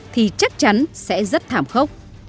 thì chắc chắn sẽ rất thảm khốc